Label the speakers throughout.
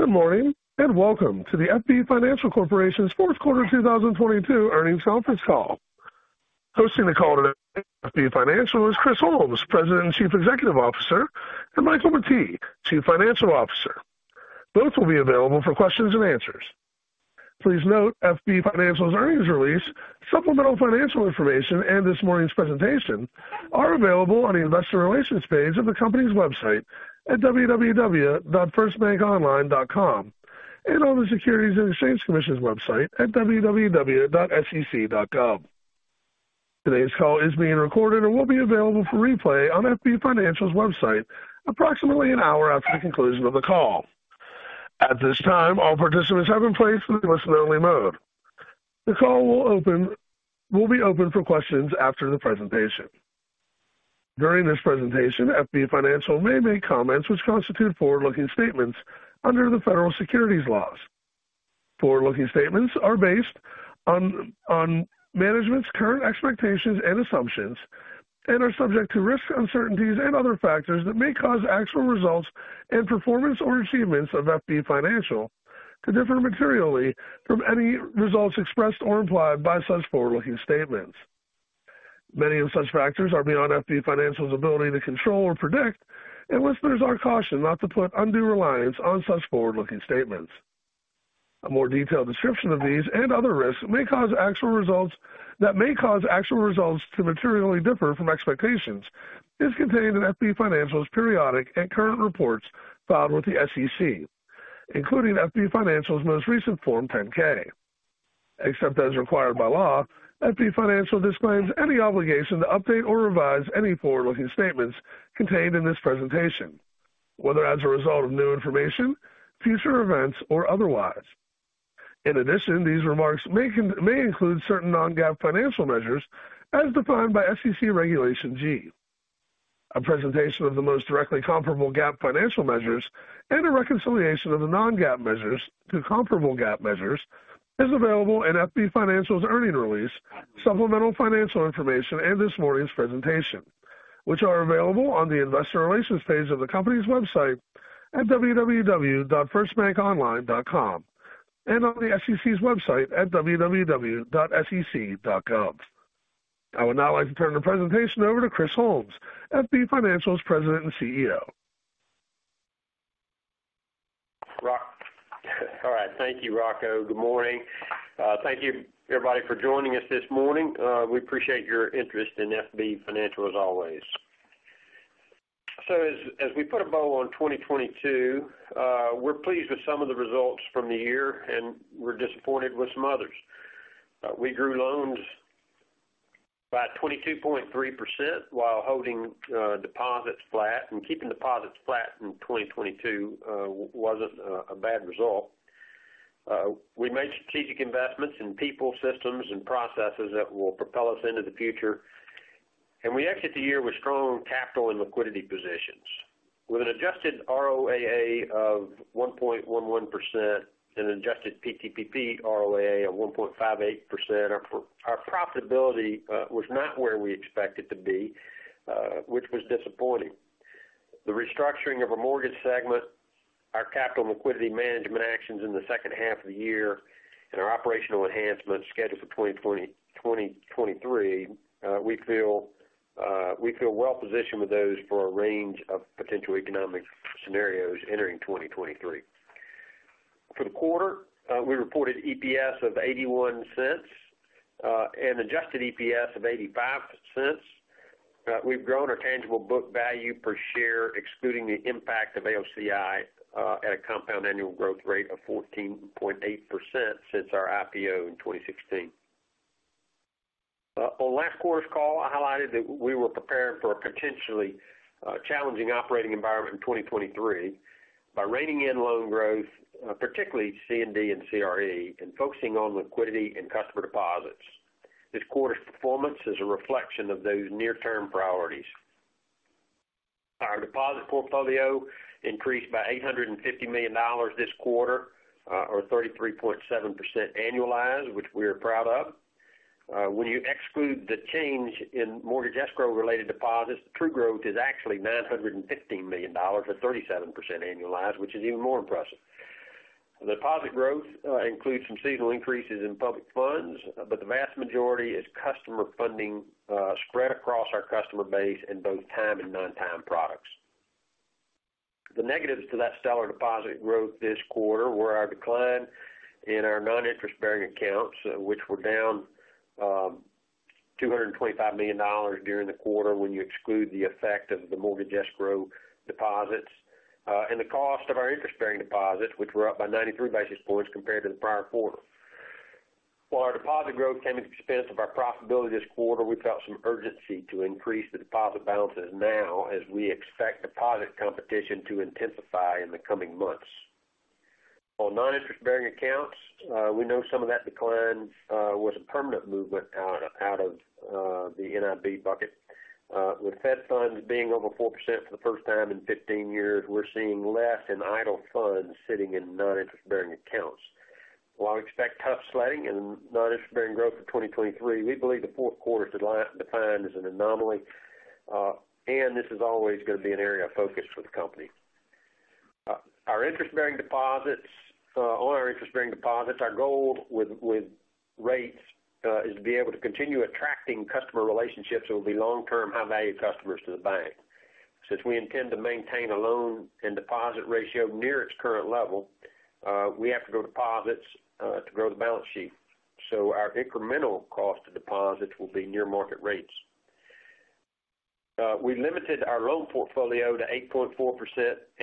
Speaker 1: Good morning, welcome to the FB Financial Corporation's fourth quarter 2022 earnings conference call. Hosting the call today, FB Financial is Chris Holmes, President and Chief Executive Officer, and Michael Mettee, Chief Financial Officer. Both will be available for questions and answers. Please note FB Financial's earnings release, supplemental financial information, and this morning's presentation are available on the investor relations page of the company's website at www.firstbankonline.com and on the Securities and Exchange Commission's website at www.sec.gov. Today's call is being recorded and will be available for replay on FB Financial's website approximately an hour after the conclusion of the call. At this time, all participants have been placed in listen-only mode. The call will be open for questions after the presentation. During this presentation, FB Financial may make comments which constitute forward-looking statements under the federal securities laws. Forward-looking statements are based on management's current expectations and assumptions and are subject to risks, uncertainties and other factors that may cause actual results and performance or achievements of FB Financial to differ materially from any results expressed or implied by such forward-looking statements. Many of such factors are beyond FB Financial's ability to control or predict, and listeners are cautioned not to put undue reliance on such forward-looking statements. A more detailed description of these and other risks that may cause actual results to materially differ from expectations is contained in FB Financial's periodic and current reports filed with the SEC, including FB Financial's most recent Form 10-K. Except as required by law, FB Financial disclaims any obligation to update or revise any forward-looking statements contained in this presentation, whether as a result of new information, future events or otherwise. In addition, these remarks may include certain non-GAAP financial measures as defined by SEC Regulation G. A presentation of the most directly comparable GAAP financial measures and a reconciliation of the non-GAAP measures to comparable GAAP measures is available in FB Financial's earning release, supplemental financial information, and this morning's presentation, which are available on the investor relations page of the company's website at www.firstbankonline.com and on the SEC's website at www.sec.gov. I would now like to turn the presentation over to Chris Holmes, FB Financial's President and CEO.
Speaker 2: All right. Thank you, Rocco. Good morning. Thank you everybody for joining us this morning. We appreciate your interest in FB Financial as always. As we put a bow on 2022, we're pleased with some of the results from the year, and we're disappointed with some others. We grew loans by 22.3% while holding deposits flat. Keeping deposits flat in 2022 wasn't a bad result. We made strategic investments in people, systems and processes that will propel us into the future. We exit the year with strong capital and liquidity positions. With an adjusted ROAA of 1.11% and adjusted PTPP ROAA of 1.58%, our profitability was not where we expected to be, which was disappointing. The restructuring of our mortgage segment, our capital and liquidity management actions in the second half of the year and our operational enhancements scheduled for 2023, we feel well positioned with those for a range of potential economic scenarios entering 2023. For the quarter, we reported EPS of $0.81 and adjusted EPS of $0.85. We've grown our tangible book value per share excluding the impact of AOCI at a compound annual growth rate of 14.8% since our IPO in 2016. On last quarter's call, I highlighted that we were preparing for a potentially challenging operating environment in 2023 by reining in loan growth, particularly C&D and CRE, and focusing on liquidity and customer deposits. This quarter's performance is a reflection of those near-term priorities. Our deposit portfolio increased by $850 million this quarter, or 33.7% annualized, which we are proud of. When you exclude the change in mortgage escrow-related deposits, the true growth is actually $950 million or 37% annualized, which is even more impressive. The deposit growth includes some seasonal increases in public funds, but the vast majority is customer funding, spread across our customer base in both timed and non-timed products. The negatives to that stellar deposit growth this quarter were our decline in our non-interest-bearing accounts which were down $225 million during the quarter when you exclude the effect of the mortgage escrow deposits, and the cost of our interest-bearing deposits which were up by 93 basis points compared to the prior quarter. While our deposit growth came at the expense of our profitability this quarter, we felt some urgency to increase the deposit balances now as we expect deposit competition to intensify in the coming months. On non-interest-bearing accounts, we know some of that decline was a permanent movement out of the NIB bucket. With fed funds being over 4% for the first time in 15 years, we're seeing less in idle funds sitting in non-interest-bearing accounts. While I expect tough sledding and non-interest-bearing growth for 2023, we believe the fourth quarter decline is an anomaly, and this is always going to be an area of focus for the company. On our interest-bearing deposits, our goal with rates is to be able to continue attracting customer relationships that will be long-term, high-value customers to the bank. Since we intend to maintain a loan and deposit ratio near its current level, we have to grow deposits to grow the balance sheet. Our incremental cost of deposits will be near market rates. We limited our loan portfolio to 8.4%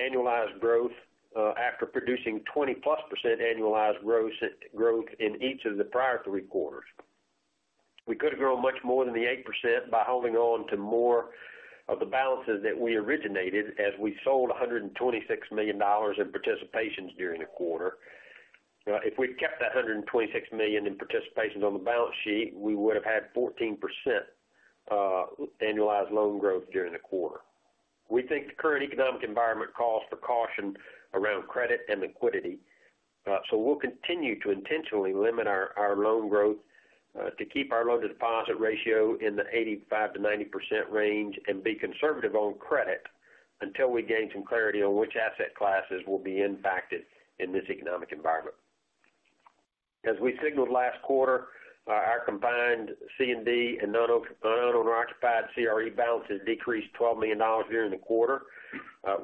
Speaker 2: annualized growth after producing 20%+ annualized growth in each of the prior three quarters. We could have grown much more than the 8% by holding on to more of the balances that we originated as we sold $126 million in participations during the quarter. If we'd kept that $126 million in participations on the balance sheet, we would have had 14% annualized loan growth during the quarter. We think the current economic environment calls for caution around credit and liquidity. We'll continue to intentionally limit our loan growth to keep our loan-to-deposit ratio in the 85%-90% range and be conservative on credit until we gain some clarity on which asset classes will be impacted in this economic environment. As we signaled last quarter, our combined C&D and non-owner occupied CRE balances decreased $12 million during the quarter.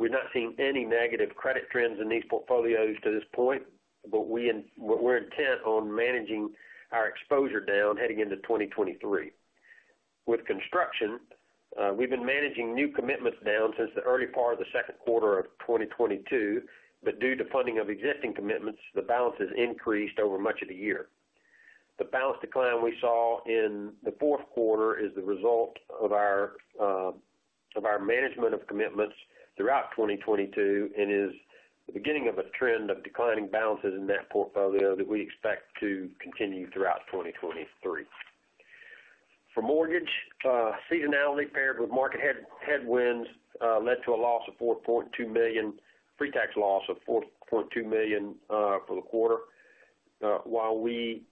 Speaker 2: We've not seen any negative credit trends in these portfolios to this point, but we're intent on managing our exposure down heading into 2023. With construction, we've been managing new commitments down since the early part of the second quarter 2022, but due to funding of existing commitments, the balance has increased over much of the year. The balance decline we saw in the fourth quarter is the result of our management of commitments throughout 2022 and is the beginning of a trend of declining balances in that portfolio that we expect to continue throughout 2023. For mortgage, seasonality paired with market headwinds led to a pre-tax loss of $4.2 million for the quarter. While we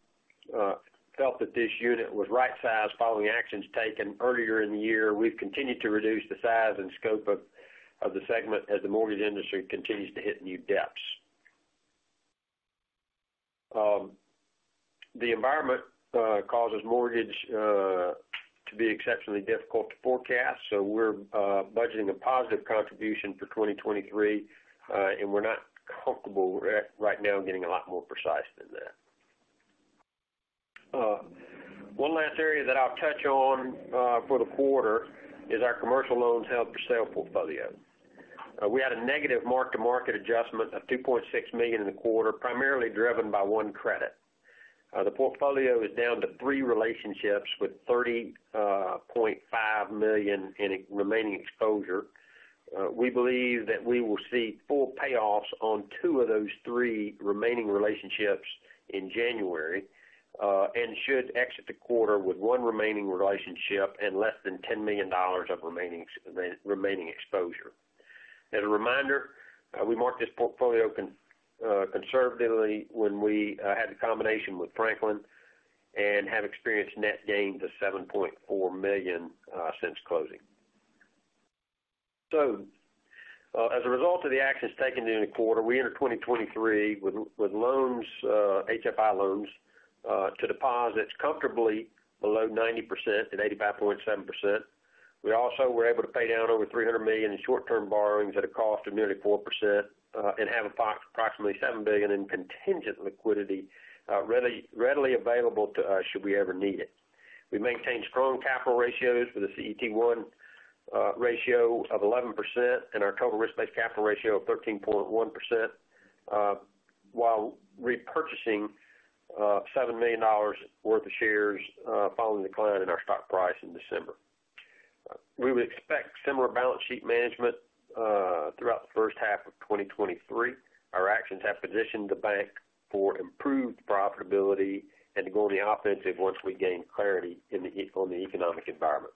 Speaker 2: felt that this unit was right-sized following actions taken earlier in the year, we've continued to reduce the size and scope of the segment as the mortgage industry continues to hit new depths. The environment causes mortgage to be exceptionally difficult to forecast, so we're budgeting a positive contribution for 2023, and we're not comfortable right now getting a lot more precise than that. One last area that I'll touch on for the quarter is our commercial loans held-for-sale portfolio. We had a negative mark-to-market adjustment of $2.6 million in the quarter, primarily driven by 1 credit. The portfolio is down to three relationships with $30.5 million in remaining exposure. We believe that we will see full payoffs on two of those three remaining relationships in January, and should exit the quarter with one remaining relationship and less than $10 million of remaining exposure. As a reminder, we marked this portfolio conservatively when we had the combination with Franklin and have experienced net gains of $7.4 million since closing. As a result of the actions taken during the quarter, we enter 2023 with loans, HFI loans, to deposits comfortably below 90% and 85.7%. We also were able to pay down over $300 million in short-term borrowings at a cost of nearly 4%, and have approximately $7 billion in contingent liquidity readily available to us should we ever need it. We maintain strong capital ratios for the CET1 ratio of 11% and our total risk-based capital ratio of 13.1%, while repurchasing $7 million worth of shares following the decline in our stock price in December. We would expect similar balance sheet management throughout the first half of 2023. Our actions have positioned the bank for improved profitability and to go on the offensive once we gain clarity on the economic environment.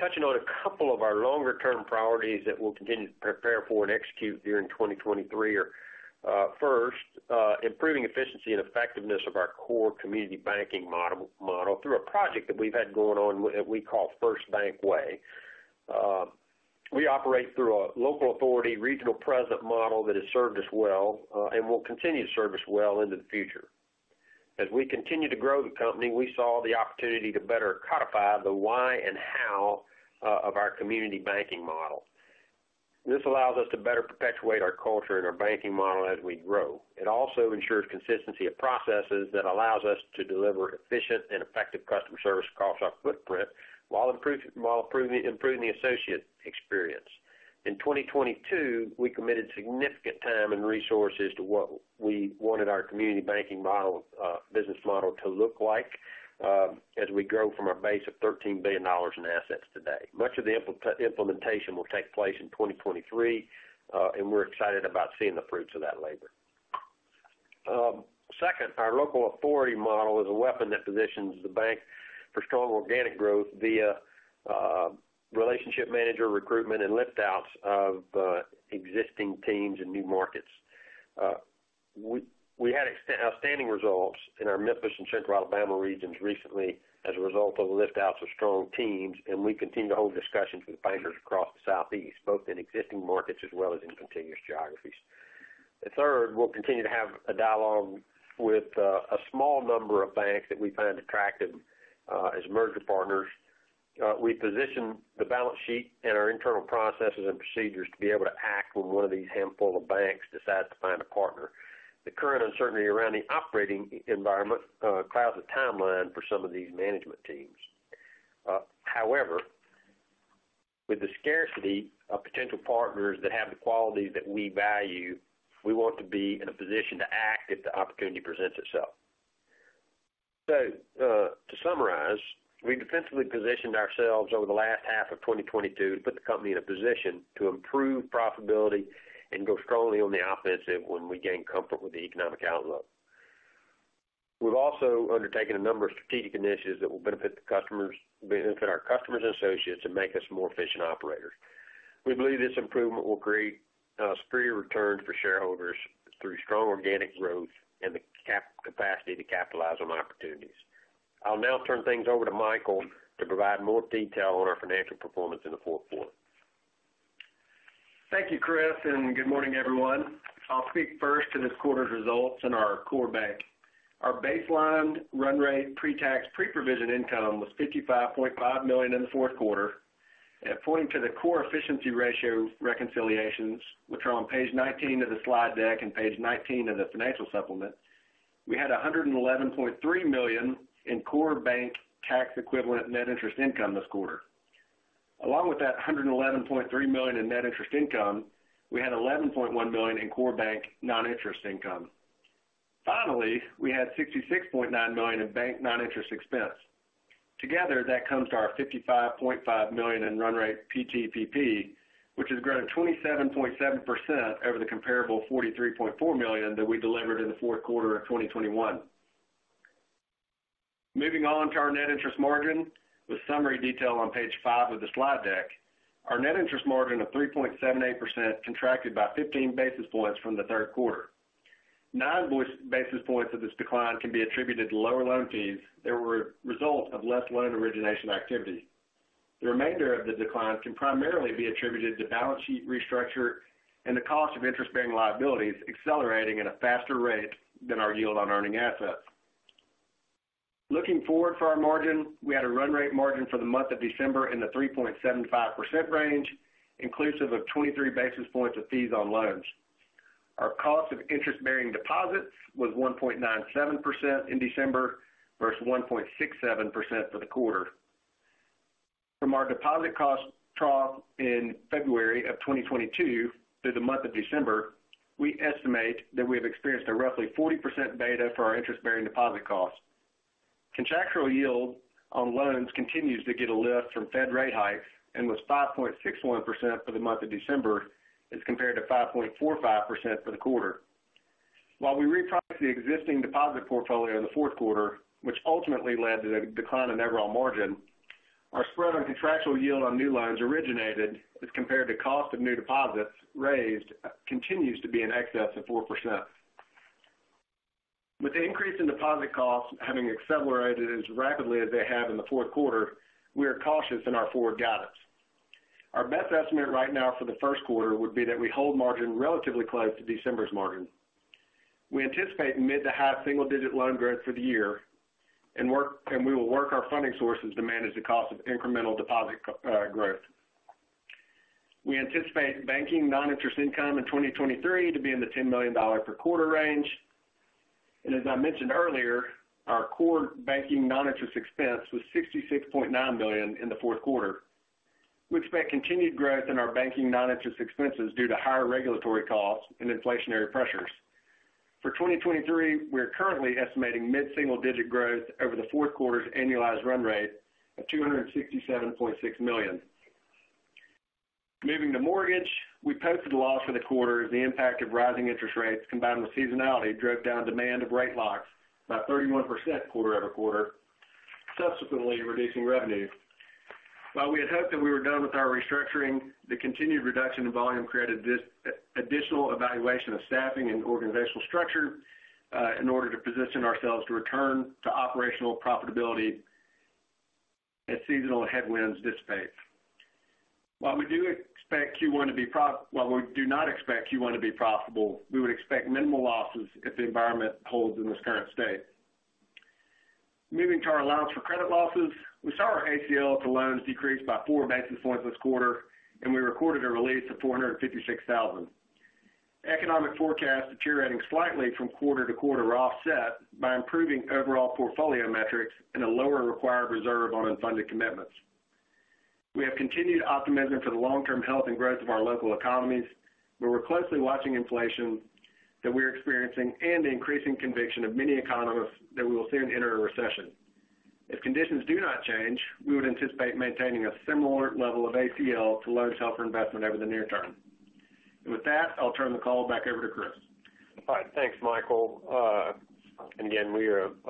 Speaker 2: Touching on a couple of our longer-term priorities that we'll continue to prepare for and execute during 2023 are, first, improving efficiency and effectiveness of our core community banking model through a project that we've had going on that we call FirstBank Way. We operate through a local authority regional president model that has served us well, and will continue to serve us well into the future. As we continue to grow the company, we saw the opportunity to better codify the why and how of our community banking model. This allows us to better perpetuate our culture and our banking model as we grow. It also ensures consistency of processes that allows us to deliver efficient and effective customer service across our footprint while improving the associate experience. In 2022, we committed significant time and resources to what we wanted our community banking model business model to look like as we grow from a base of $13 billion in assets today. Much of the implementation will take place in 2023, and we're excited about seeing the fruits of that labor. Second, our local authority model is a weapon that positions the bank for strong organic growth via relationship manager recruitment and lift outs of existing teams in new markets. We had outstanding results in our Memphis and Central Alabama regions recently as a result of the lift outs of strong teams, and we continue to hold discussions with bankers across the southeast, both in existing markets as well as in contiguous geographies. Third, we'll continue to have a dialogue with a small number of banks that we find attractive as merger partners. We position the balance sheet and our internal processes and procedures to be able to act when one of these handful of banks decides to find a partner. The current uncertainty around the operating environment clouds the timeline for some of these management teams. However, with the scarcity of potential partners that have the qualities that we value, we want to be in a position to act if the opportunity presents itself. To summarize, we defensively positioned ourselves over the last half of 2022 to put the company in a position to improve profitability and go strongly on the offensive when we gain comfort with the economic outlook. We've also undertaken a number of strategic initiatives that will benefit the customers, benefit our customers and associates and make us more efficient operators. We believe this improvement will create superior returns for shareholders through strong organic growth and the capacity to capitalize on opportunities. I'll now turn things over to Michael to provide more detail on our financial performance in the fourth quarter.
Speaker 3: Thank you, Chris. Good morning, everyone. I'll speak first to this quarter's results in our core bank. Our baselined run rate pre-tax, pre-provision income was $55.5 million in the fourth quarter. Pointing to the core efficiency ratio reconciliations, which are on page 19 of the slide deck and page 19 of the financial supplement. We had $111.3 million in core bank tax equivalent net interest income this quarter. Along with that $111.3 million in net interest income, we had $11.1 million in core bank non-interest income. Finally, we had $66.9 million in bank non-interest expense. Together, that comes to our $55.5 million in run rate PTPP, which has grown 27.7% over the comparable $43.4 million that we delivered in the fourth quarter of 2021. Moving on to our net interest margin with summary detail on page five of the slide deck. Our net interest margin of 3.78% contracted by 15 basis points from the third quarter. 9 basis points of this decline can be attributed to lower loan fees that were a result of less loan origination activity. The remainder of the decline can primarily be attributed to balance sheet restructure and the cost of interest-bearing liabilities accelerating at a faster rate than our yield on earning assets. Looking forward for our margin, we had a run rate margin for the month of December in the 3.75% range, inclusive of 23 basis points of fees on loans. Our cost of interest-bearing deposits was 1.97% in December versus 1.67% for the quarter. From our deposit cost trough in February of 2022 through the month of December, we estimate that we have experienced a roughly 40% beta for our interest-bearing deposit cost. Contractual yield on loans continues to get a lift from Fed rate hikes and was 5.61% for the month of December as compared to 5.45% for the quarter. While we repriced the existing deposit portfolio in the fourth quarter, which ultimately led to the decline in overall margin, our spread on contractual yield on new loans originated as compared to cost of new deposits raised, continues to be in excess of 4%. With the increase in deposit costs having accelerated as rapidly as they have in the fourth quarter, we are cautious in our forward guidance. Our best estimate right now for the first quarter would be that we hold margin relatively close to December's margin. We anticipate mid to high single-digit loan growth for the year and we will work our funding sources to manage the cost of incremental deposit growth. We anticipate banking non-interest income in 2023 to be in the $10 million per quarter range. As I mentioned earlier, our core banking non-interest expense was $66.9 million in the fourth quarter. We expect continued growth in our banking non-interest expenses due to higher regulatory costs and inflationary pressures. For 2023, we are currently estimating mid-single digit growth over the fourth quarter's annualized run rate of $267.6 million. Moving to mortgage, we posted a loss for the quarter as the impact of rising interest rates combined with seasonality drove down demand of rate locks by 31% quarter-over-quarter, subsequently reducing revenue. While we had hoped that we were done with our restructuring, the continued reduction in volume created this additional evaluation of staffing and organizational structure in order to position ourselves to return to operational profitability as seasonal headwinds dissipate. While we do not expect Q1 to be profitable, we would expect minimal losses if the environment holds in this current state. Moving to our allowance for credit losses. We saw our ACL to loans decrease by 4 basis points this quarter, and we recorded a release of $456,000. Economic forecasts deteriorating slightly from quarter to quarter were offset by improving overall portfolio metrics and a lower required reserve on unfunded commitments. We have continued optimism for the long-term health and growth of our local economies, but we're closely watching inflation that we're experiencing and the increasing conviction of many economists that we will soon enter a recession. If conditions do not change, we would anticipate maintaining a similar level of ACL to loan suffer investment over the near term. With that, I'll turn the call back over to Chris.
Speaker 2: All right, thanks, Michael. We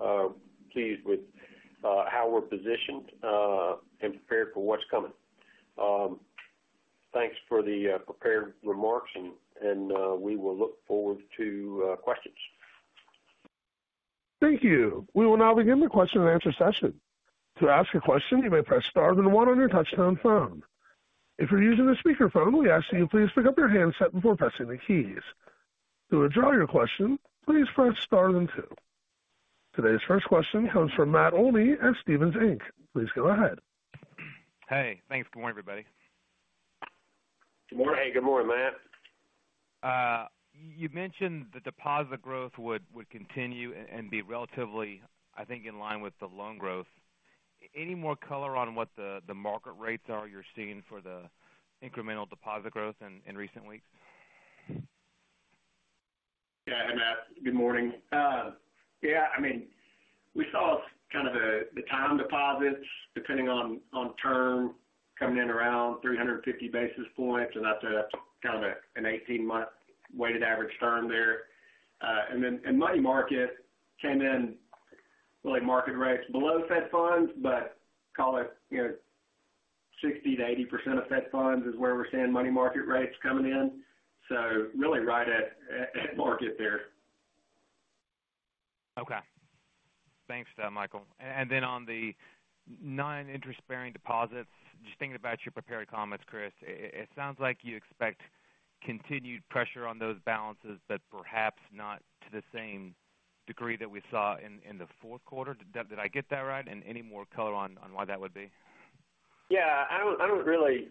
Speaker 2: are pleased with how we're positioned and prepared for what's coming. Thanks for the prepared remarks and we will look forward to questions.
Speaker 1: Thank you. We will now begin the question and answer session. To ask a question, you may press star then one on your touchtone phone. If you're using a speaker phone, we ask that you please pick up your handset before pressing the keys. To withdraw your question, please press star then two. Today's first question comes from Matt Olney at Stephens Inc. Please go ahead.
Speaker 4: Hey, thanks. Good morning, everybody.
Speaker 2: Good morning.
Speaker 3: Hey, good morning, Matt.
Speaker 4: You mentioned the deposit growth would continue and be relatively, I think, in line with the loan growth. Any more color on what the market rates are you're seeing for the incremental deposit growth in recent weeks?
Speaker 3: Hey, Matt Olney. Good morning. I mean, we saw kind of the time deposits depending on term coming in around 350 basis points, that's, kind of an 18-month weighted average term there. Money market came in really market rates below fed funds, but call it, you know, 60%-80% of fed funds is where we're seeing money market rates coming in, so really right at market there.
Speaker 4: Okay. Thanks, Michael. And then on the non-interest bearing deposits, just thinking about your prepared comments, Chris, it sounds like you expect continued pressure on those balances, but perhaps not to the same degree that we saw in the fourth quarter. Did I get that right? Any more color on why that would be?
Speaker 2: Yeah. I don't really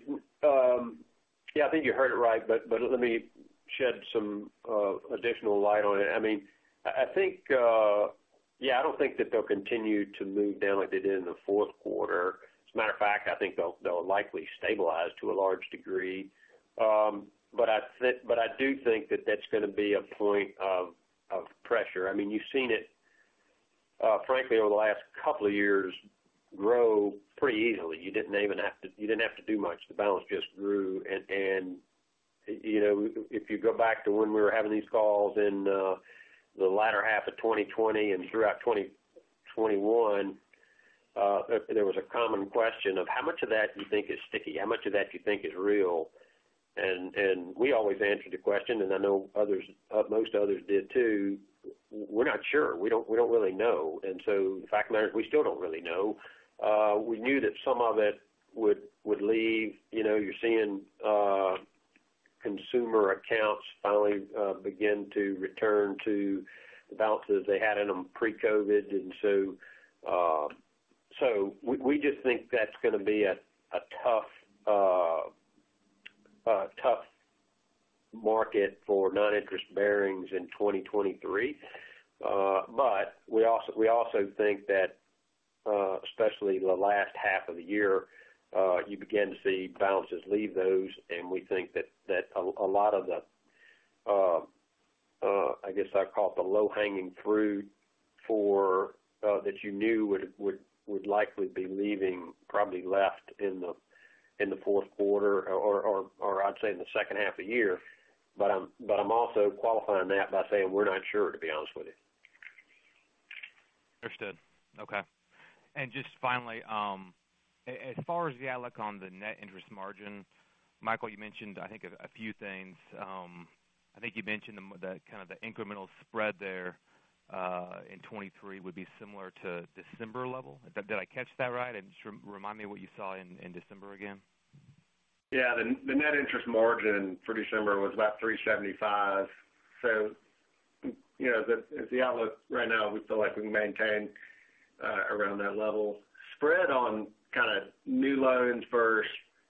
Speaker 2: think you heard it right, let me shed some additional light on it. I mean, I don't think that they'll continue to move down like they did in the fourth quarter. As a matter of fact, I think they'll likely stabilize to a large degree. I do think that that's gonna be a point of pressure. I mean, you've seen it, frankly, over the last couple of years grow pretty easily. You didn't even have to do much. The balance just grew. You know, if you go back to when we were having these calls in the latter half of 2020 and throughout 2021, there was a common question of how much of that do you think is sticky? How much of that do you think is real? We always answered the question, and I know others, most others did too. We're not sure. We don't really know. The fact of the matter is, we still don't really know. We knew that some of it would leave. You know, you're seeing consumer accounts finally begin to return to the balances they had in them pre-COVID. So we just think that's gonna be a tough market for non-interest bearings in 2023. We also think that, especially in the last half of the year, you begin to see balances leave those, and we think that, a lot of the, I guess I'd call it the low-hanging fruit for, that you knew would likely be leaving probably left in the fourth quarter or I'd say in the second half of the year. I'm also qualifying that by saying we're not sure, to be honest with you.
Speaker 4: Understood. Okay. Just finally, as far as the outlook on the net interest margin, Michael, you mentioned, I think, a few things. I think you mentioned the kind of the incremental spread there, in 2023 would be similar to December level. Did I catch that right? Just remind me what you saw in December again.
Speaker 3: Yeah. The net interest margin for December was about 3.75. You know, the outlook right now, we feel like we can maintain around that level. Spread on kinda new loans for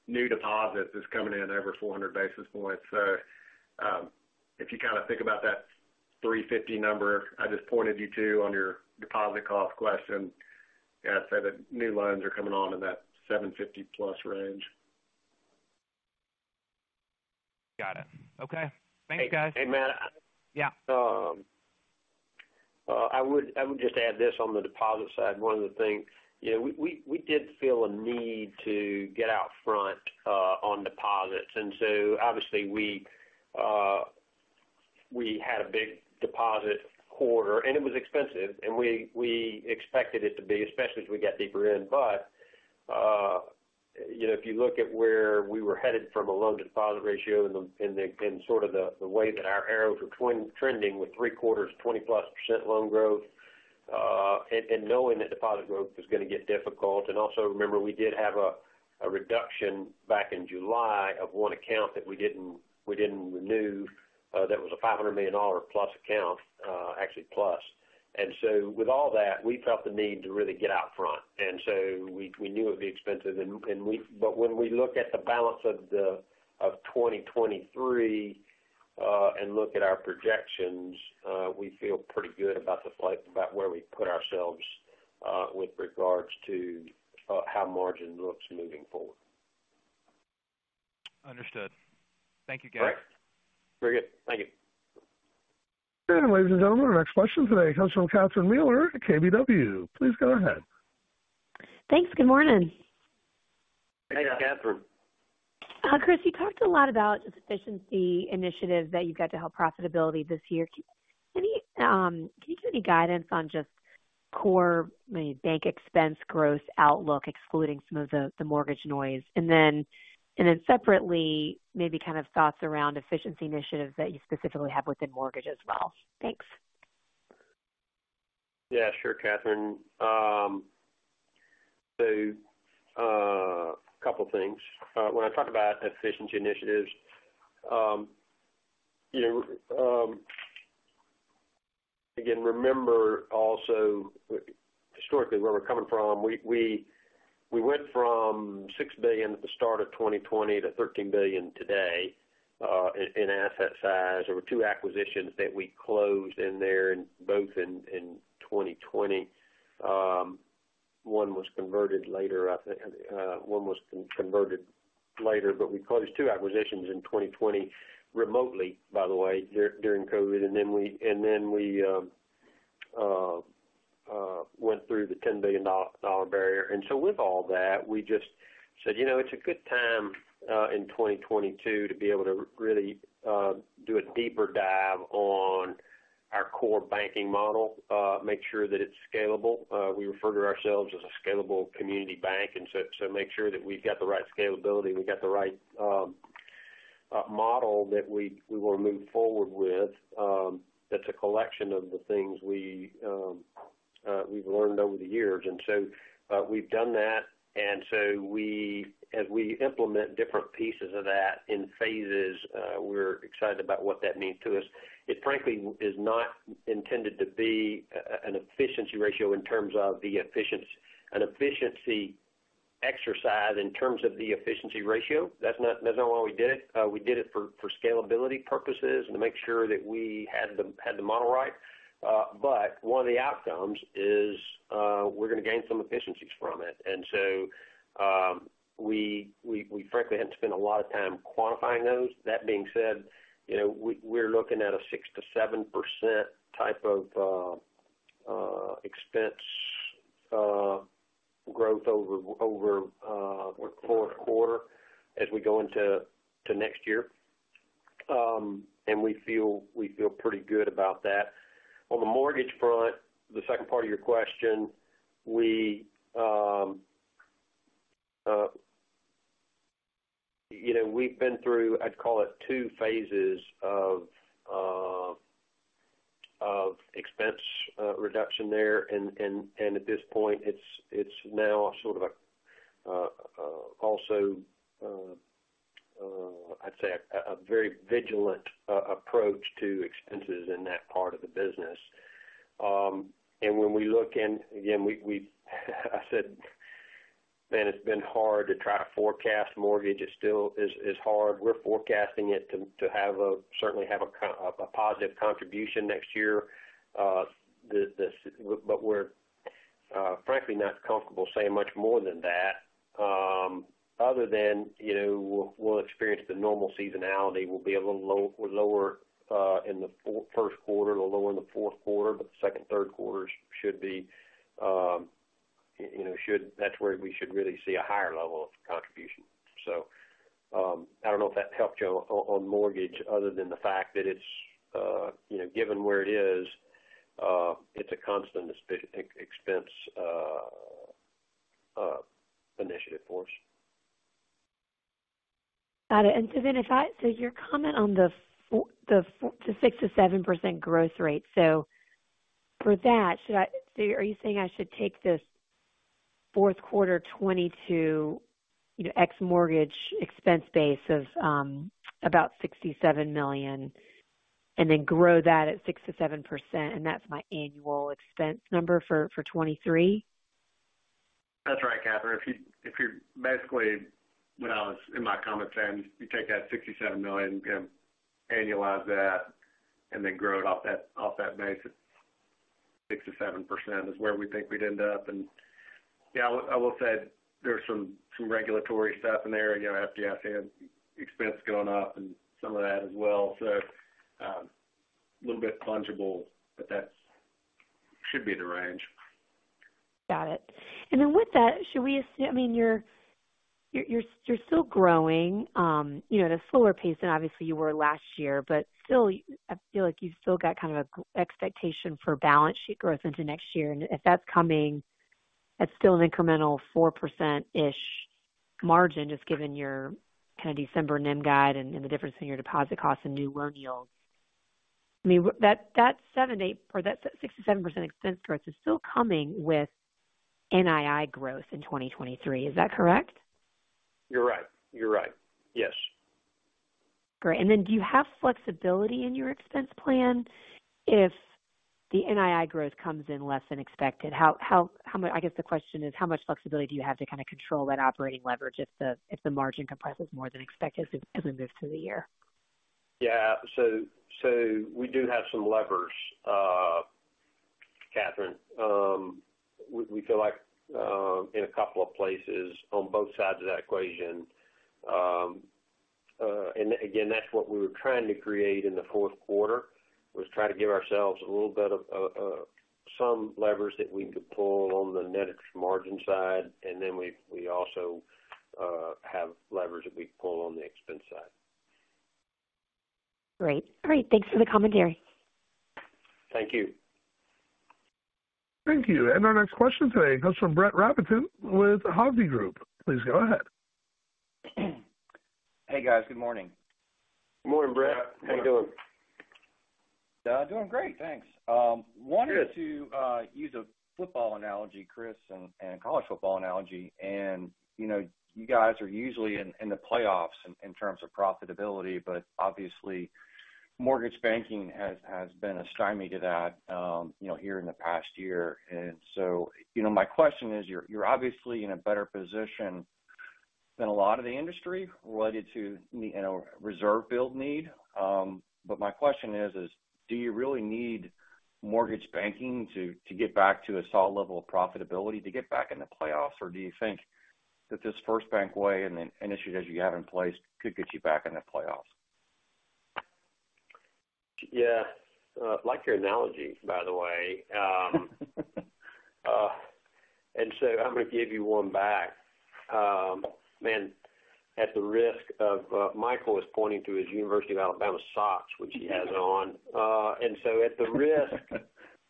Speaker 3: new deposits is coming in over 400 basis points. If you kinda think about that 350 number I just pointed you to on your deposit cost question, I'd say that new loans are coming on in that 750 plus range.
Speaker 4: Got it. Okay. Thanks, guys.
Speaker 2: Hey, Matt.
Speaker 4: Yeah.
Speaker 2: I would just add this on the deposit side, one of the things. You know, we did feel a need to get out front on deposits. So obviously we had a big deposit quarter. It was expensive. We expected it to be, especially as we got deeper in. You know, if you look at where we were headed from a loan deposit ratio and sort of the way that our arrows were twin-trending with three quarters, 20%+ loan growth, and knowing that deposit growth was gonna get difficult. Also remember, we did have a reduction back in July of one account that we didn't renew, that was a $500 million+ account, actually plus. With all that, we felt the need to really get out front. We knew it would be expensive. But when we look at the balance of 2023, and look at our projections, we feel pretty good about where we put ourselves with regards to how margin looks moving forward.
Speaker 4: Understood. Thank you, Chris.
Speaker 2: All right. Very good. Thank you.
Speaker 1: Ladies and gentlemen, our next question today comes from Catherine Mealor at KBW. Please go ahead.
Speaker 5: Thanks. Good morning.
Speaker 2: Thanks, Catherine.
Speaker 5: Chris, you talked a lot about the efficiency initiative that you've got to help profitability this year. Can you give any guidance on just core bank expense growth outlook, excluding some of the mortgage noise? And then separately, maybe kind of thoughts around efficiency initiatives that you specifically have within mortgage as well. Thanks.
Speaker 2: Yeah, sure, Catherine. Couple things. When I talk about efficiency initiatives, you know, again, remember also historically where we're coming from. We went from $6 billion at the start of 2020 to $13 billion today in asset size. There were two acquisitions that we closed in there, and both in 2020. One was converted later, I think, one was converted later, but we closed two acquisitions in 2020 remotely, by the way, during COVID. Then we went through the $10 billion barrier. With all that, we just said, you know, it's a good time in 2022 to be able to really do a deeper dive on our core banking model, make sure that it's scalable. We refer to ourselves as a scalable community bank, so make sure that we've got the right scalability, we've got the right model that we wanna move forward with. That's a collection of the things we've learned over the years. We've done that. As we implement different pieces of that in phases, we're excited about what that means to us. It frankly is not intended to be an efficiency ratio in terms of the efficiency exercise in terms of the efficiency ratio. That's not why we did it. We did it for scalability purposes and to make sure that we had the model right. One of the outcomes is, we're gonna gain some efficiencies from it. We frankly hadn't spent a lot of time quantifying those. That being said, you know, we're looking at a 6%-7% type of expense growth over fourth quarter as we go into next year. We feel pretty good about that. On the mortgage front, the second part of your question, we, you know, we've been through, I'd call it two phases of expense reduction there. At this point, it's now sort of also, I'd say a very vigilant approach to expenses in that part of the business. When we look again, we said, man, it's been hard to try to forecast mortgage. It still is hard. We're forecasting it to certainly have a positive contribution next year. We're frankly not comfortable saying much more than that, other than, you know, we'll experience the normal seasonality. We'll be a little lower in the first quarter, a little lower in the fourth quarter, but the second, third quarters should be, you know, that's where we should really see a higher level of contribution. I don't know if that helped you on mortgage other than the fact that it's, you know, given where it is, it's a constant expense initiative for us.
Speaker 5: Got it. Your comment on the 6%-7% growth rate. For that, are you saying I should take this fourth quarter 2022, you know, ex mortgage expense base of about $67 million and then grow that at 6%-7%, and that's my annual expense number for 2023?
Speaker 2: That's right, Catherine. If you're basically what I was in my comment saying, you take that $67 million, annualize that, then grow it off that base at 6%-7% is where we think we'd end up. Yeah, I will say there's some regulatory stuff in there. You know, FDIC expense going up and some of that as well. A little bit fungible, but that's should be the range.
Speaker 5: Got it. Then with that, should we I mean, you're still growing, you know, at a slower pace than obviously you were last year. Still, I feel like you've still got kind of an expectation for balance sheet growth into next year. If that's coming, that's still an incremental 4%-ish margin, just given your kind of December NIM guide and the difference in your deposit costs and new loan yields. I mean, that 7%, 8%, or that 6% to 7% expense growth is still coming with NII growth in 2023. Is that correct?
Speaker 2: You're right. You're right. Yes.
Speaker 5: Great. Do you have flexibility in your expense plan if the NII growth comes in less than expected? I guess the question is, how much flexibility do you have to kind of control that operating leverage if the, if the margin compresses more than expected as we, as we move through the year?
Speaker 2: Yeah. We do have some levers, Catherine. We feel like in a couple of places on both sides of that equation. Again, that's what we were trying to create in the fourth quarter, was try to give ourselves a little bit of some levers that we could pull on the net margin side, and then we also have levers that we can pull on the expense side.
Speaker 5: Great. Great. Thanks for the commentary.
Speaker 2: Thank you.
Speaker 1: Thank you. Our next question today comes from Brett Rabatin with Hovde Group. Please go ahead.
Speaker 6: Hey, guys. Good morning.
Speaker 2: Good morning, Brett. How you doing?
Speaker 6: Doing great, thanks.
Speaker 2: Good...
Speaker 6: use a football analogy, Chris, and a college football analogy. You know, you guys are usually in the playoffs in terms of profitability, but obviously mortgage banking has been a stymie to that, you know, here in the past year. You know, my question is, you're obviously in a better position than a lot of the industry related to the, you know, reserve build need. My question is, do you really need mortgage banking to get back to a solid level of profitability to get back in the playoffs? Do you think that this FirstBank Way and the initiatives you have in place could get you back in the playoffs?
Speaker 2: Yeah. Like your analogy, by the way. I'm gonna give you one back. At the risk of Michael was pointing to his The University of Alabama socks, which he has on. At the risk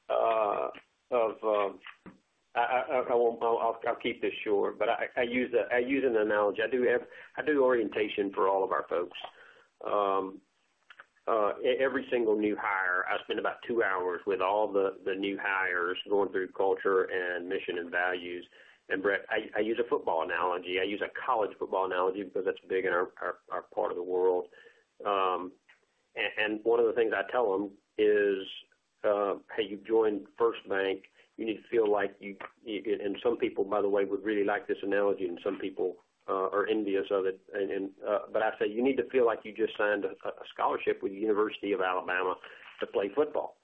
Speaker 2: of I won't keep this short, but I use an analogy. I do orientation for all of our folks. Every single new hire, I spend about two hours with all the new hires going through culture and mission and values. Brett, I use a football analogy. I use a college football analogy because that's big in our part of the world. One of the things I tell them is, "Hey, you've joined FirstBank. You need to feel like you," and some people, by the way, would really like this analogy, and some people are envious of it. I say, "You need to feel like you just signed a scholarship with The University of Alabama to play football."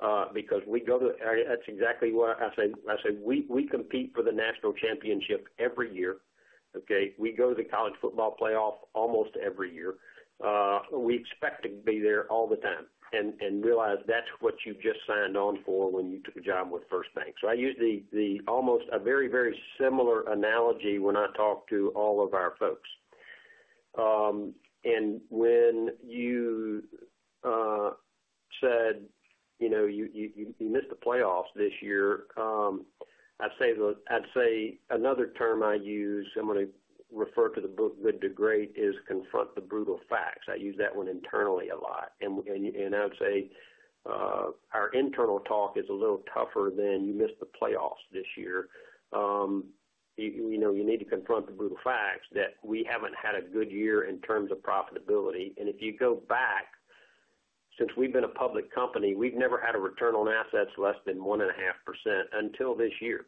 Speaker 2: That's exactly what I said. I said, "We compete for the national championship every year, okay? We go to the college football playoff almost every year. We expect to be there all the time and realize that's what you've just signed on for when you took a job with FirstBank." I use the almost a very, very similar analogy when I talk to all of our folks. When you said, you know, you missed the playoffs this year, I'd say another term I use, I'm gonna refer to the book Good to Great, is confront the brutal facts. I use that one internally a lot. I would say our internal talk is a little tougher than you missed the playoffs this year. You know, you need to confront the brutal facts that we haven't had a good year in terms of profitability. If you go back, since we've been a public company, we've never had a return on assets less than 1.5% until this year.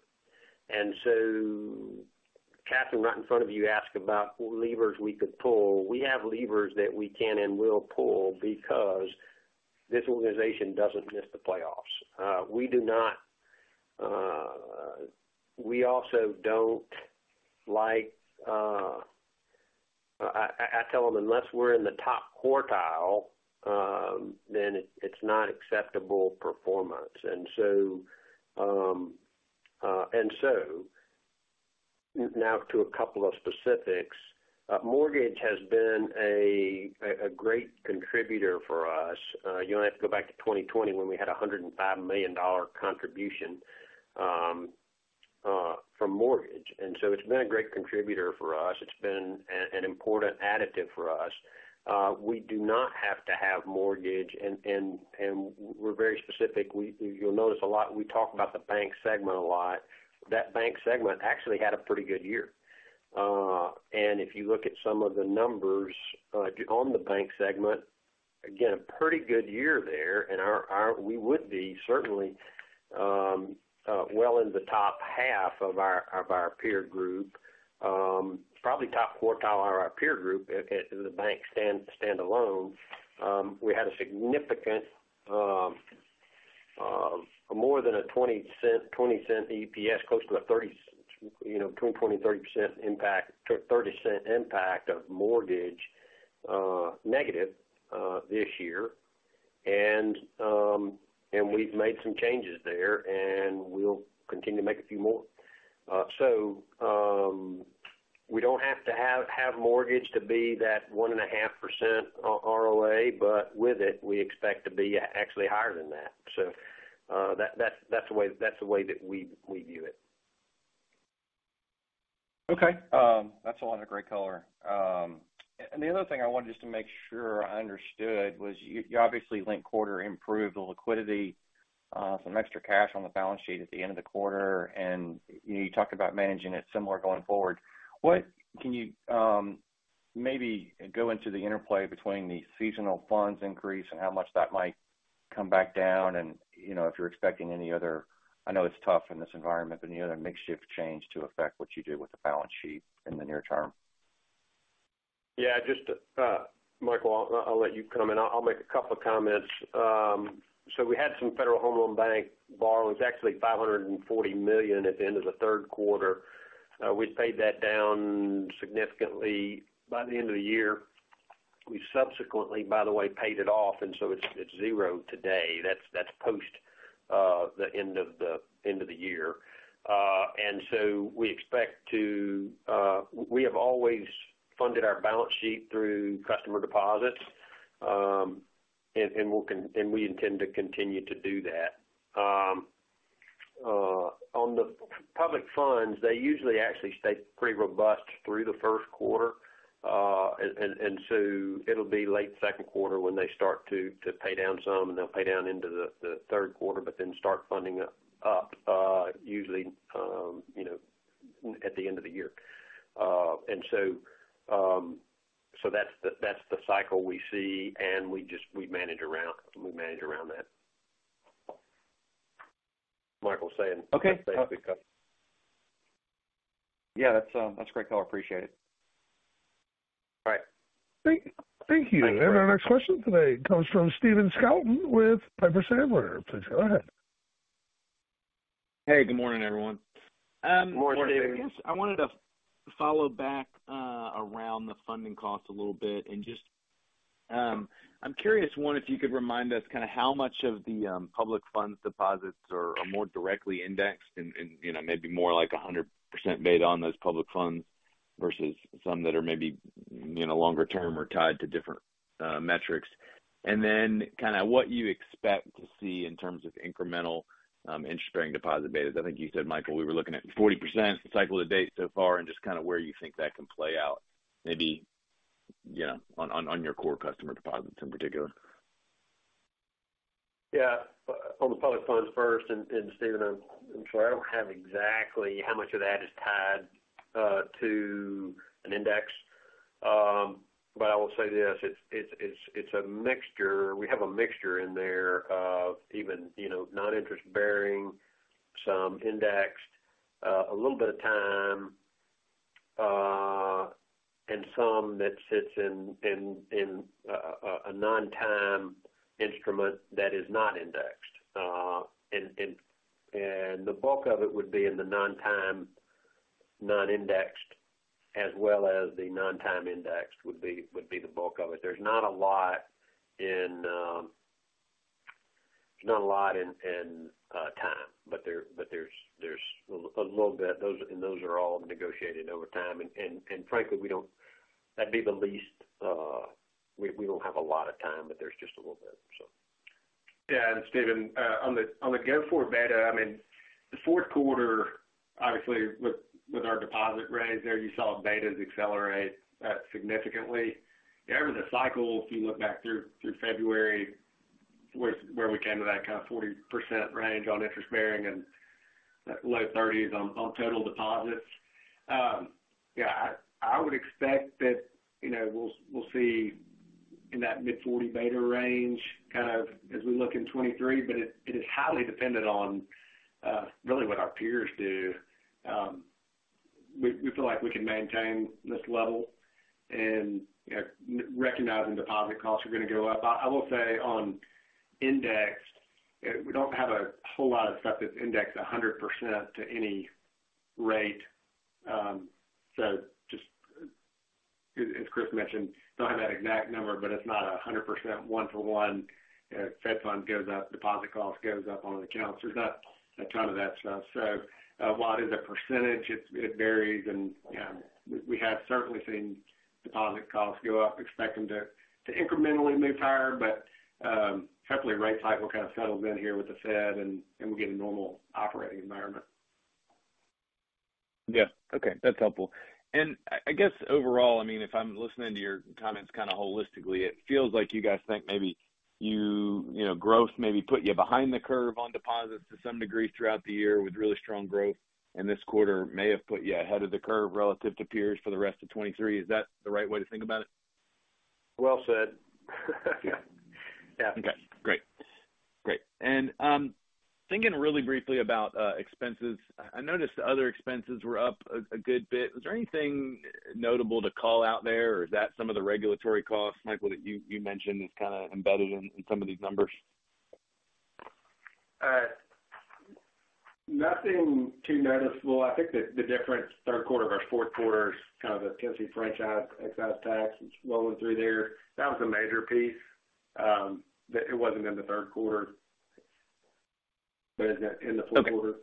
Speaker 2: Catherine, right in front of you, asked about what levers we could pull. We have levers that we can and will pull because this organization doesn't miss the playoffs. We do not. We also don't like. I tell them unless we're in the top quartile, then it's not acceptable performance. Now to a couple of specifics. Mortgage has been a great contributor for us. You only have to go back to 2020 when we had a $105 million contribution from mortgage. It's been a great contributor for us. It's been an important additive for us. We do not have to have mortgage, and we're very specific. You'll notice a lot, we talk about the bank segment a lot. That bank segment actually had a pretty good year. If you look at some of the numbers on the bank segment, again, a pretty good year there. We would be certainly well in the top half of our of our peer group, probably top quartile of our peer group if the bank stand alone. We had a significant more than a $0.20 EPS, close to a $0.30, you know, between 20% and 30% impact, $0.30 impact of mortgage negative this year. We've made some changes there, and we'll continue to make a few more. We don't have to have mortgage to be that 1.5% ROA, but with it, we expect to be actually higher than that. That's the way that we view it.
Speaker 6: Okay. That's a lot of great color. The other thing I wanted just to make sure I understood was you obviously linked quarter improved the liquidity, some extra cash on the balance sheet at the end of the quarter, and you talked about managing it similar going forward. What can you, maybe go into the interplay between the seasonal funds increase and how much that might come back down and, you know, if you're expecting any other, I know it's tough in this environment, any other makeshift change to affect what you do with the balance sheet in the near term?
Speaker 2: Just, Michael, I'll let you come in. I'll make a couple of comments. We had some Federal Home Loan Bank borrowings, actually $540 million at the end of the third quarter. We'd paid that down significantly by the end of the year. We subsequently, by the way, paid it off, and so it's zero today. That's post the end of the year. We expect to. We have always funded our balance sheet through customer deposits, and we intend to continue to do that. On the public funds, they usually actually stay pretty robust through the first quarter. It'll be late second quarter when they start to pay down some and they'll pay down into the third quarter, but then start funding up, usually, you know, at the end of the year. So that's the cycle we see, and we just, we manage around that. Michael saying-
Speaker 6: Okay.
Speaker 2: Say if you.
Speaker 6: Yeah, that's great, y'all. I appreciate it. All right.
Speaker 2: Thank you.
Speaker 6: Thank you.
Speaker 1: Our next question today comes from Stephen Scouten with Piper Sandler. Please go ahead.
Speaker 7: Hey, good morning, everyone.
Speaker 2: Good morning, Stephen.
Speaker 7: I guess I wanted to follow back around the funding cost a little bit. Just, I'm curious, one, if you could remind us kinda how much of the public funds deposits are more directly indexed, you know, maybe more like 100% beta on those public funds versus some that are maybe, you know, longer term or tied to different metrics. Then kinda what you expect to see in terms of incremental interest-bearing deposit betas. I think you said, Michael, we were looking at 40% cycle to date so far and just kinda where you think that can play out, maybe, you know, on your core customer deposits in particular.
Speaker 2: Yeah. On the public funds first, and Stephen I'm sorry I don't have exactly how much of that is tied to an index. But I will say this, it's a mixture. We have a mixture in there of even, you know, non-interest-bearing, some indexed, a little bit of time, and some that sits in a non-time instrument that is not indexed. The bulk of it would be in the non-time, non-indexed, as well as the non-time indexed would be the bulk of it. There's not a lot in time, but there's a little bit. Those are all negotiated over time. Frankly, that'd be the least, we don't have a lot of time, but there's just a little bit, so.
Speaker 3: Yeah. Stephen, on the go-forward beta, I mean, the fourth quarter, obviously with our deposit raise there, you saw betas accelerate significantly. Over the cycle, if you look back through February, where we came to that kind of 40% range on interest bearing and low 30s on total deposits. Yeah, I would expect that, you know, we'll see in that mid-40 beta range kind of as we look in 2023, but it is highly dependent on really what our peers do. We feel like we can maintain this level and, you know, recognizing deposit costs are going to go up. I will say on indexed, we don't have a whole lot of stuff that's indexed 100% to any rate. Just as Chris mentioned, don't have that exact number, but it's not 100% one-to-one, you know, fed fund goes up, deposit cost goes up on the accounts. There's not a ton of that stuff. A lot is a percentage. It varies and, yeah, we have certainly seen deposit costs go up, expect them to incrementally move higher. Hopefully rate cycle kind of settles in here with the Fed and we get a normal operating environment.
Speaker 7: Yeah. Okay. That's helpful. I guess overall, I mean, if I'm listening to your comments kinda holistically, it feels like you guys think maybe you know, growth maybe put you behind the curve on deposits to some degree throughout the year with really strong growth, and this quarter may have put you ahead of the curve relative to peers for the rest of 2023. Is that the right way to think about it?
Speaker 2: Well said. Yeah. Yeah.
Speaker 7: Okay, great. Great. Thinking really briefly about expenses. I noticed other expenses were up a good bit. Was there anything notable to call out there or is that some of the regulatory costs, Michael, that you mentioned is kind of embedded in some of these numbers?
Speaker 3: Nothing too noticeable. I think that the difference third quarter versus fourth quarter is kind of the Tennessee franchise excise tax rolling through there. That was a major piece that it wasn't in the third quarter, but it's in the fourth quarter.
Speaker 7: Okay.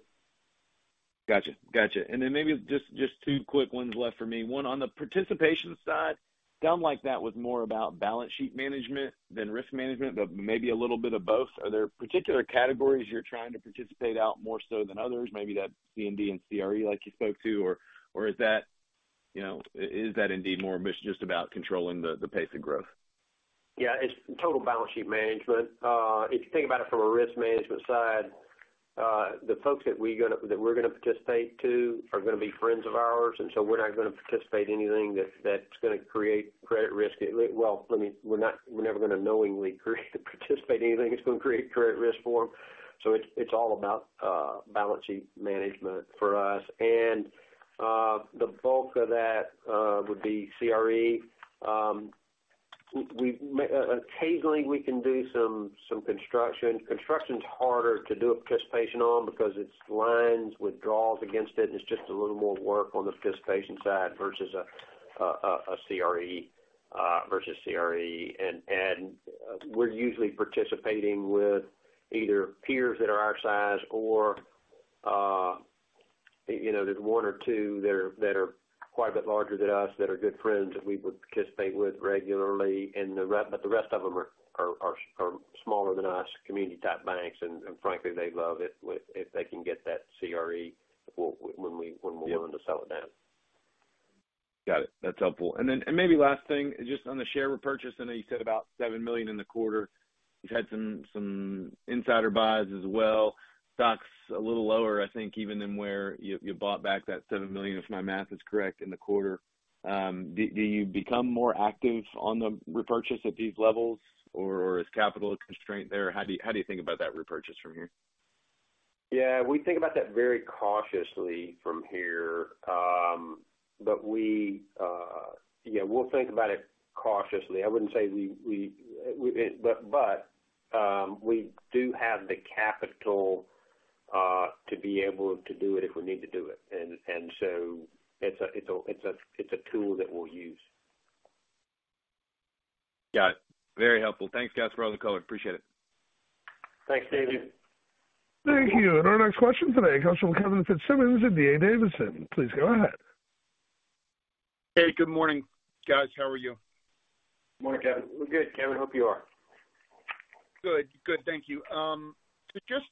Speaker 7: Gotcha. Gotcha. Maybe just two quick ones left for me. One, on the participation side, sounded like that was more about balance sheet management than risk management, but maybe a little bit of both. Are there particular categories you're trying to participate out more so than others? Maybe that's C&I and CRE like you spoke to, or is that, you know, is that indeed more just about controlling the pace of growth?
Speaker 2: Yeah, it's total balance sheet management. If you think about it from a risk management side, the folks that we're gonna participate to are gonna be friends of ours. We're not gonna participate anything that's gonna create credit risk. Well, we're never gonna knowingly create or participate anything that's gonna create credit risk for them. It's, it's all about balance sheet management for us. The bulk of that would be CRE. Occasionally, we can do some construction. Construction's harder to do a participation on because it's lines withdrawals against it, and it's just a little more work on the participation side versus a CRE versus CRE. We're usually participating with either peers that are our size or, you know, there's one or two that are quite a bit larger than us that are good friends that we would participate with regularly. But the rest of them are smaller than us, community-type banks. Frankly, they love it if they can get that CRE for when we, when we're willing to sell it down.
Speaker 7: Got it. That's helpful. Maybe last thing, just on the share repurchase, I know you said about $7 million in the quarter. You've had some insider buys as well. Stock's a little lower, I think, even than where you bought back that $7 million, if my math is correct, in the quarter. Do you become more active on the repurchase at these levels, or is capital a constraint there? How do you think about that repurchase from here?
Speaker 2: Yeah, we think about that very cautiously from here. We, yeah, we'll think about it cautiously. I wouldn't say we do have the capital to be able to do it if we need to do it. It's a tool that we'll use.
Speaker 7: Got it. Very helpful. Thanks, guys, for all the color. Appreciate it.
Speaker 2: Thanks, Stephen.
Speaker 1: Thank you. Our next question today comes from Kevin Fitzsimmons at D.A. Davidson. Please go ahead.
Speaker 8: Hey, good morning, guys. How are you?
Speaker 2: Morning, Kevin. We're good, Kevin. Hope you are.
Speaker 8: Good. Thank you. just,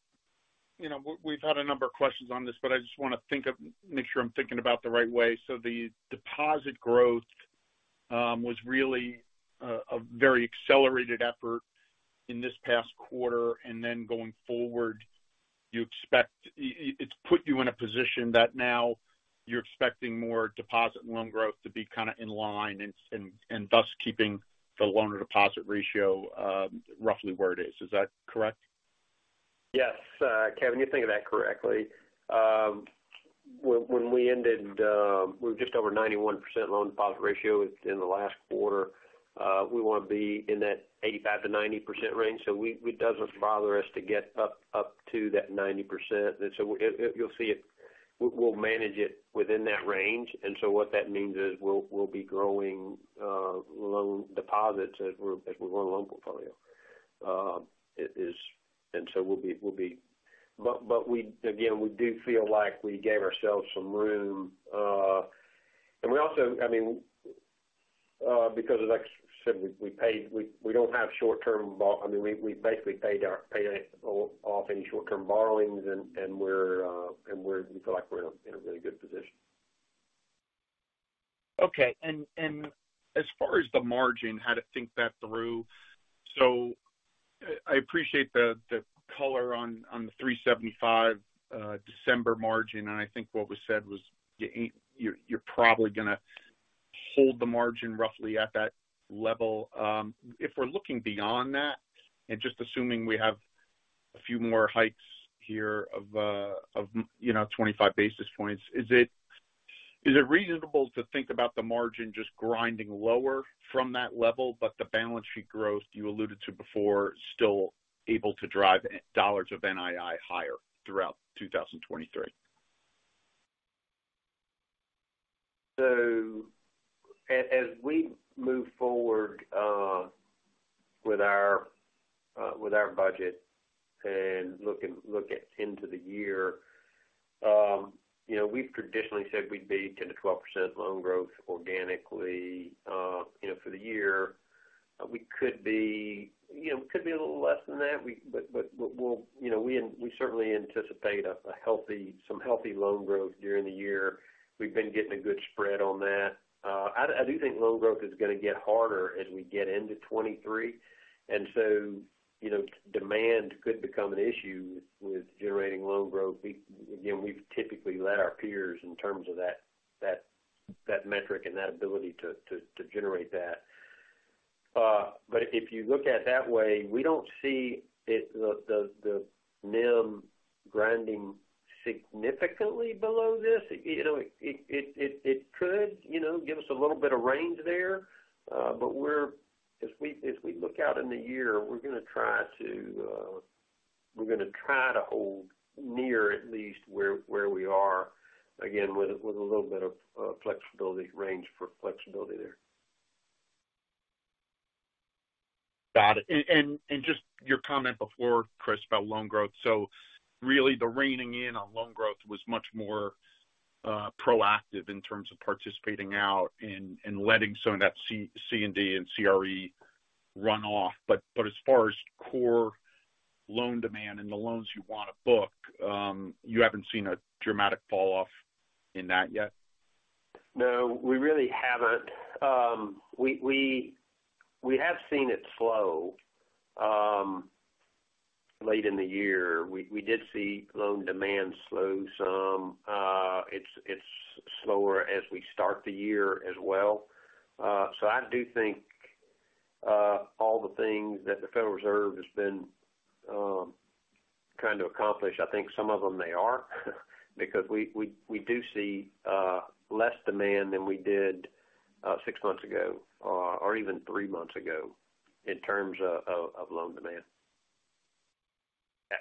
Speaker 8: you know, we've had a number of questions on this, but I just wanna make sure I'm thinking about the right way. The deposit growth was really a very accelerated effort in this past quarter. Going forward, you expect. It's put you in a position that now you're expecting more deposit loan growth to be kinda in line and thus keeping the loan-to-deposit ratio roughly where it is. Is that correct?
Speaker 2: Yes, Kevin, you think of that correctly. When we ended. We're just over 91% loan-deposit ratio in the last quarter. We want to be in that 85%-90% range, so it doesn't bother us to get up to that 90%. It, you'll see it. We'll manage it within that range. What that means is we'll be growing loan deposits as we grow our loan portfolio. It is. So we'll be. We. Again, we do feel like we gave ourselves some room. We also, I mean, because as I said, we don't have short-term, I mean, we basically paid off any short-term borrowings, and we're, and we feel like we're in a really good position.
Speaker 8: Okay. As far as the margin, how to think that through. I appreciate the color on the 375, December margin, and I think what was said was you're probably gonna hold the margin roughly at that level. If we're looking beyond that and just assuming we have a few more hikes here of, you know, 25 basis points, is it, is it reasonable to think about the margin just grinding lower from that level, but the balance sheet growth you alluded to before still able to drive dollars of NII higher throughout 2023?
Speaker 2: As we move forward with our budget and look into the year, you know, we've traditionally said we'd be 10%-12% loan growth organically, you know, for the year. We could be, you know, could be a little less than that. But we'll, you know, we certainly anticipate a healthy loan growth during the year. We've been getting a good spread on that. I do think loan growth is gonna get harder as we get into 2023. Demand could become an issue with generating loan growth. Again, we've typically led our peers in terms of that metric and that ability to generate that. If you look at it that way, we don't see the NIM grinding significantly below this. You know, it could, you know, give us a little bit of range there. If we look out in the year, we're gonna try to hold near at least where we are, again, with a little bit of flexibility range for flexibility there.
Speaker 8: Got it. Just your comment before, Chris, about loan growth. Really the reining in on loan growth was much more proactive in terms of participating out and letting some of that C&D and CRE run off. As far as core loan demand and the loans you wanna book, you haven't seen a dramatic fall off in that yet?
Speaker 2: No, we really haven't. We have seen it slow late in the year. We did see loan demand slow some. It's slower as we start the year as well. I do think all the things that the Federal Reserve has been trying to accomplish. I think some of them they are because we do see less demand than we did six months ago or even three months ago in terms of loan demand.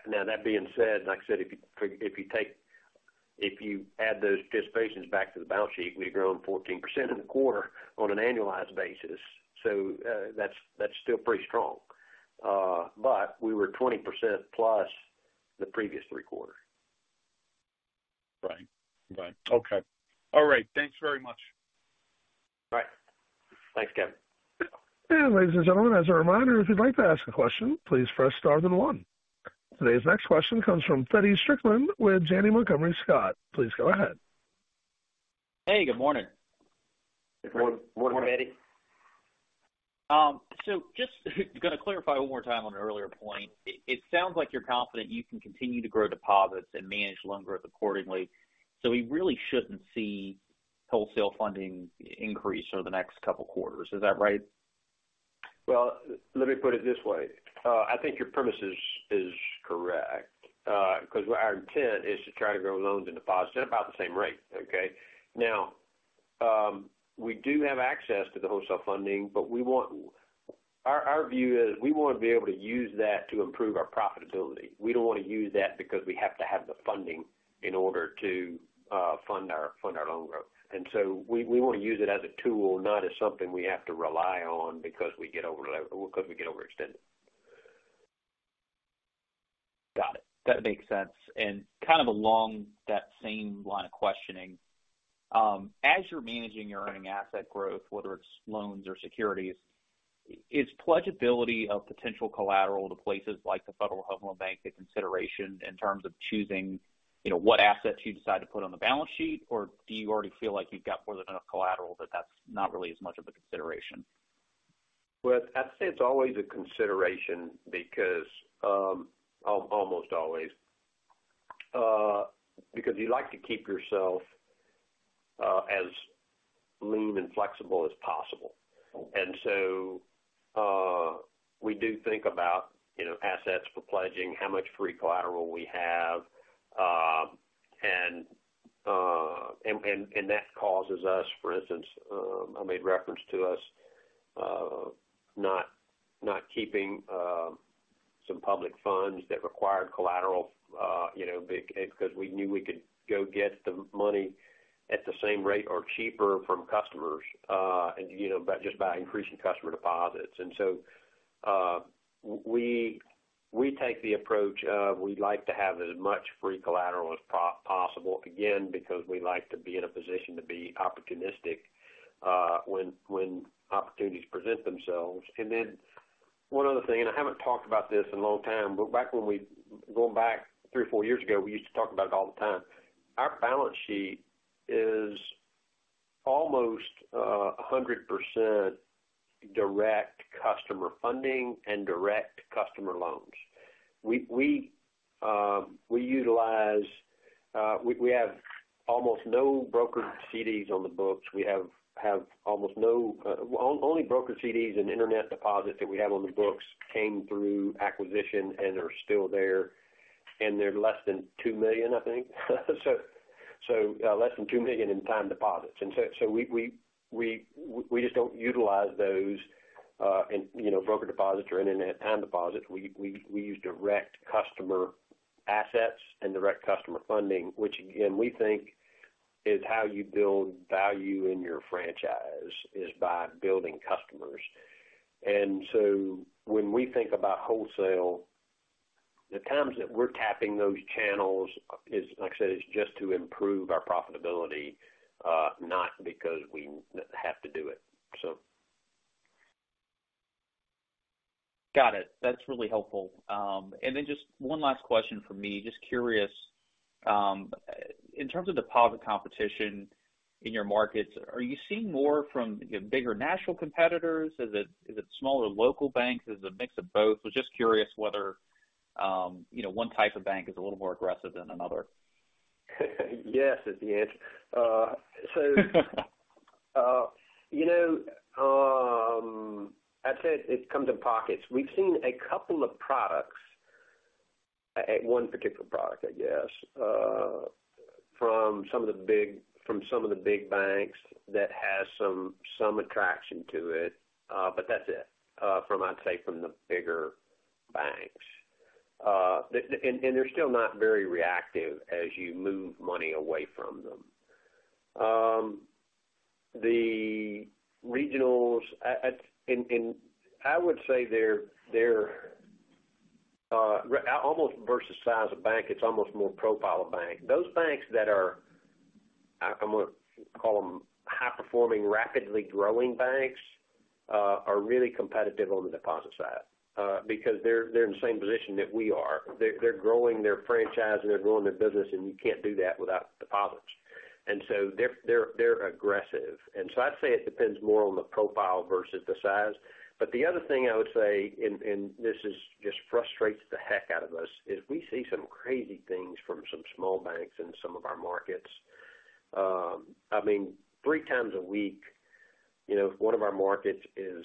Speaker 2: Now, that being said, like I said, if you add those participations back to the balance sheet, we've grown 14% in the quarter on an annualized basis. That's still pretty strong. But we were 20% plus the previous three quarters.
Speaker 8: Right. Right. Okay. All right. Thanks very much.
Speaker 2: Right. Thanks, Kevin.
Speaker 1: Ladies and gentlemen, as a reminder, if you'd like to ask a question, please press star then 1. Today's next question comes from Feddie Strickland with Janney Montgomery Scott. Please go ahead.
Speaker 9: Hey, good morning.
Speaker 2: Good morning, Feddie.
Speaker 9: Just going to clarify one more time on an earlier point. It sounds like you're confident you can continue to grow deposits and manage loan growth accordingly, so we really shouldn't see wholesale funding increase over the next couple of quarters. Is that right?
Speaker 2: Well, let me put it this way. I think your premise is correct because our intent is to try to grow loans and deposits at about the same rate, okay? We do have access to the wholesale funding, but our view is we want to be able to use that to improve our profitability. We don't want to use that because we have to have the funding in order to fund our loan growth. We, we want to use it as a tool, not as something we have to rely on because we get overextended.
Speaker 9: Got it. That makes sense. Kind of along that same line of questioning, as you're managing your earning asset growth, whether it's loans or securities, is pledgeability of potential collateral to places like the Federal Home Loan Bank a consideration in terms of choosing, you know, what assets you decide to put on the balance sheet? Or do you already feel like you've got more than enough collateral that that's not really as much of a consideration?
Speaker 2: Well, I'd say it's always a consideration because, almost always, because you like to keep yourself as lean and flexible as possible. We do think about, you know, assets for pledging, how much free collateral we have, and that causes us, for instance, I made reference to us not keeping some public funds that required collateral, you know, because we knew we could go get the money at the same rate or cheaper from customers, and, you know, by just by increasing customer deposits. We take the approach of we like to have as much free collateral as possible, again, because we like to be in a position to be opportunistic, when opportunities present themselves. One other thing, and I haven't talked about this in a long time, but back when going back three or four years ago, we used to talk about it all the time. Our balance sheet is almost 100% direct customer funding and direct customer loans. We utilize, we have almost no brokered CDs on the books. We have only brokered CDs and internet deposits that we have on the books came through acquisition and are still there, and they're less than $2 million, I think. Less than $2 million in time deposits. We just don't utilize those, you know, broker deposits or internet time deposits. We use direct customer assets and direct customer funding, which again, we think is how you build value in your franchise is by building customers. When we think about wholesale, the times that we're tapping those channels is, like I said, it's just to improve our profitability, not because we have to do it.
Speaker 9: Got it. That's really helpful. Just one last question from me. Just curious, in terms of deposit competition in your markets, are you seeing more from bigger national competitors? Is it smaller local banks? Is it a mix of both? Was just curious whether, you know, one type of bank is a little more aggressive than another.
Speaker 2: Yes, is the answer. You know, I'd say it comes in pockets. We've seen a couple of products, one particular product, I guess, from some of the big banks that has some attraction to it, but that's it, from, I'd say from the bigger banks. They're still not very reactive as you move money away from them. The regionals, and I would say they're almost versus size of bank, it's almost more profile of bank. Those banks that are, I'm gonna call them high-performing, rapidly growing banks, are really competitive on the deposit side, because they're in the same position that we are. They're growing their franchise, and they're growing their business, and you can't do that without deposits. So they're aggressive. I'd say it depends more on the profile versus the size. The other thing I would say, and this is just frustrates the heck out of us, is we see some crazy things from some small banks in some of our markets. I mean, three times a week, you know, one of our markets is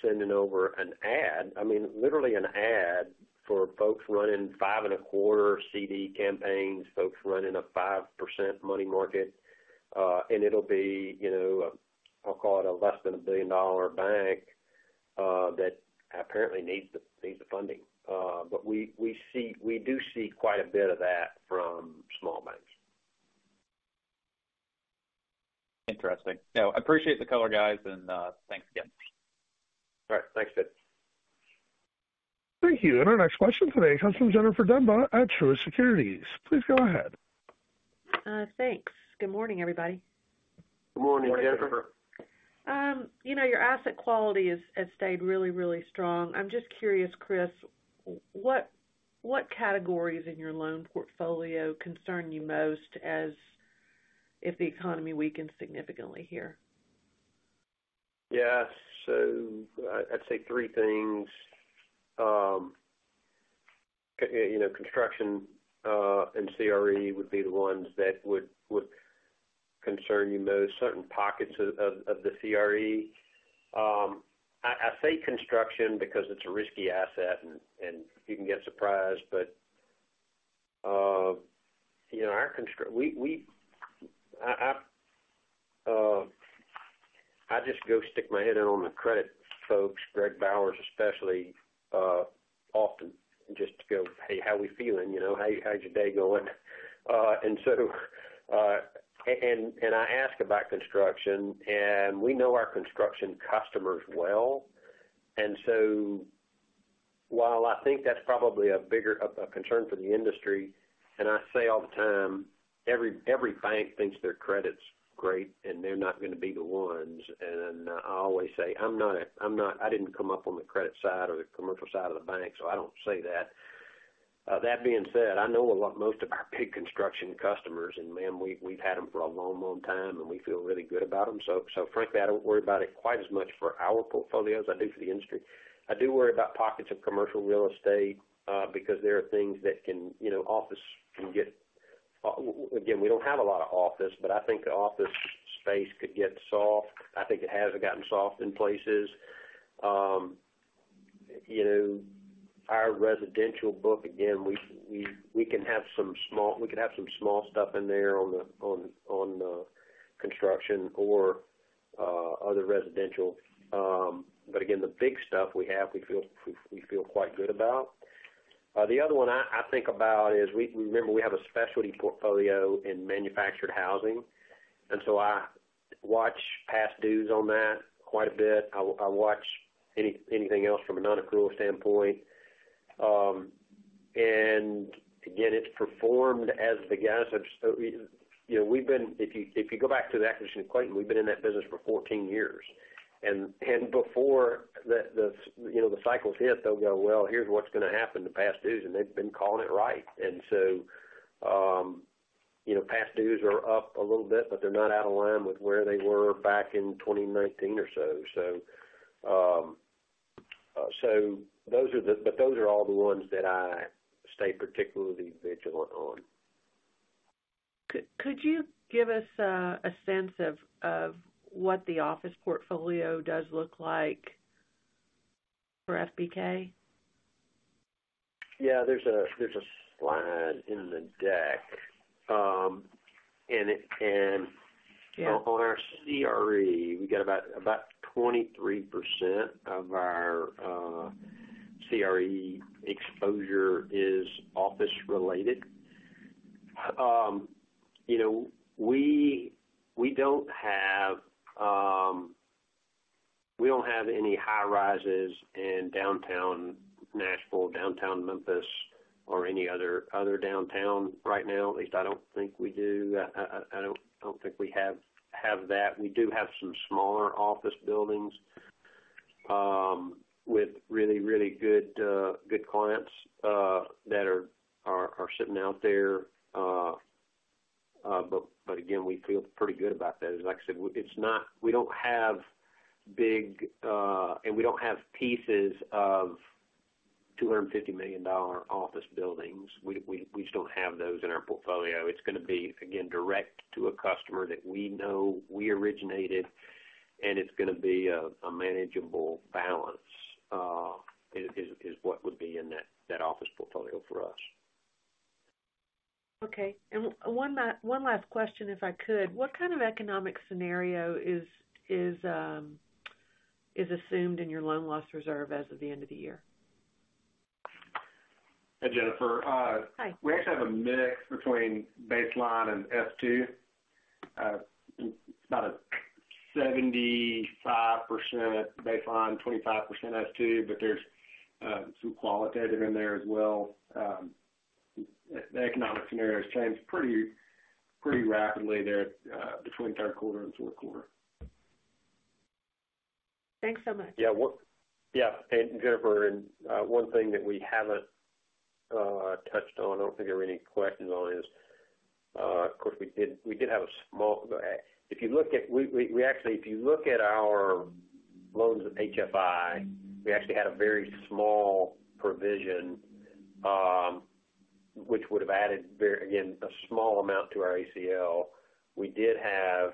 Speaker 2: sending over an ad, I mean, literally an ad for folks running five and a quarter CD campaigns, folks running a 5% money market. It'll be, you know, I'll call it a less than a billion-dollar bank that apparently needs the funding. We do see quite a bit of that from small banks.
Speaker 9: Interesting. I appreciate the color, guys, and thanks again.
Speaker 2: All right. Thanks, Feddie.
Speaker 1: Thank you. Our next question today comes from Jennifer Demba at Truist Securities. Please go ahead.
Speaker 10: Thanks. Good morning, everybody.
Speaker 2: Good morning, Jennifer.
Speaker 10: You know, your asset quality has stayed really, really strong. I'm just curious, Chris, what categories in your loan portfolio concern you most as if the economy weakens significantly here?
Speaker 2: I'd say three things. you know, construction and CRE would concern you most, certain pockets of the CRE. I say construction because it's a risky asset and you can get surprised. you know, our construction I just go stick my head in on the credit folks, Greg Bowers especially, often just to go, "Hey, how we feeling? You know, how's your day going?" I ask about construction, and we know our construction customers well. While I think that's probably a concern for the industry, and I say all the time, every bank thinks their credit's great and they're not gonna be the ones. I always say, "I didn't come up on the credit side or the commercial side of the bank, so I don't say that." That being said, I know most of our big construction customers, and man, we've had them for a long, long time, and we feel really good about them. Frankly, I don't worry about it quite as much for our portfolio as I do for the industry. I do worry about pockets of commercial real estate, because there are things that can, you know. Again, we don't have a lot of office, but I think the office space could get soft. I think it has gotten soft in places. You know, our residential book, again, we can have some small stuff in there on the construction or other residential. Again, the big stuff we have, we feel quite good about. The other one I think about is remember we have a specialty portfolio in manufactured housing. I watch past dues on that quite a bit. I watch anything else from a non-accrual standpoint. Again, it's performed as the guys have. You know, we've been. If you go back to the acquisition of Clayton, we've been in that business for 14 years. Before the cycles hit, they'll go, "Well, here's what's going to happen to past dues," and they've been calling it right. You know, past dues are up a little bit, but they're not out of line with where they were back in 2019 or so. But those are all the ones that I stay particularly vigilant on.
Speaker 10: Could you give us a sense of what the office portfolio does look like for FBK?
Speaker 2: Yeah. There's a slide in the deck.
Speaker 10: Yeah.
Speaker 2: On our CRE, we got about 23% of our CRE exposure is office related. You know, we don't have any high rises in downtown Nashville, downtown Memphis, or any other downtown right now. At least I don't think we do. I don't think we have that. We do have some smaller office buildings, with really, really good clients that are sitting out there. Again, we feel pretty good about that. As I said, we don't have big, and we don't have pieces of $250 million office buildings. We just don't have those in our portfolio. It's gonna be, again, direct to a customer that we know, we originated, and it's gonna be a manageable balance, is what would be in that office portfolio for us.
Speaker 10: Okay. One last question, if I could. What kind of economic scenario is assumed in your loan loss reserve as of the end of the year?
Speaker 3: Hey, Jennifer.
Speaker 10: Hi.
Speaker 3: We actually have a mix between baseline and S2. About a 75% baseline, 25% S2. There's some qualitative in there as well. The economic scenario has changed pretty rapidly there between third quarter and fourth quarter.
Speaker 10: Thanks so much.
Speaker 2: Yeah. Jennifer, one thing that we haven't touched on, I don't think there were any questions on is, of course, we actually, if you look at our loans with HFI, we actually had a very small provision, which would have added very, again, a small amount to our ACL. We did have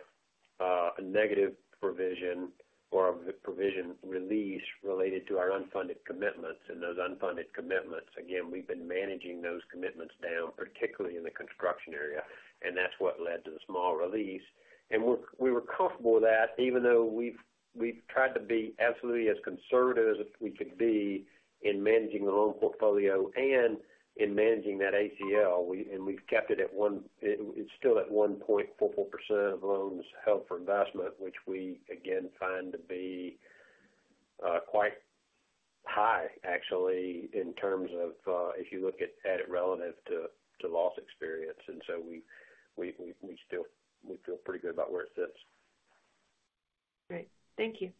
Speaker 2: a negative provision or a provision release related to our unfunded commitments. Those unfunded commitments, again, we've been managing those commitments down, particularly in the construction area, and that's what led to the small release. We were comfortable with that even though we've tried to be absolutely as conservative as we could be in managing the loan portfolio and in managing that ACL. It's still at 1.44% of loans held for investment, which we, again, find to be quite high, actually, in terms of, if you look at it relative to loss experience. We still feel pretty good about where it sits.
Speaker 10: Great. Thank you.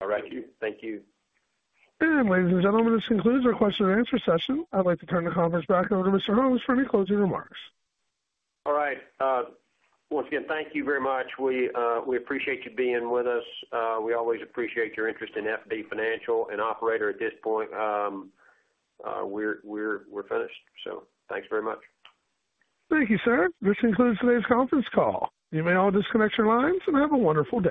Speaker 2: All right. Thank you.
Speaker 1: Ladies and gentlemen, this concludes our question and answer session. I'd like to turn the conference back over to Mr. Holmes for any closing remarks.
Speaker 2: All right. Once again, thank you very much. We appreciate you being with us. We always appreciate your interest in FB Financial. Operator, at this point, we're finished, so thanks very much.
Speaker 1: Thank you, sir. This concludes today's conference call. You may all disconnect your lines and have a wonderful day.